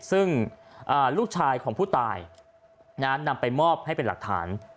ซึ่งลูกชายของผู้ตายนำไปมอบให้เป็นหลักฐาน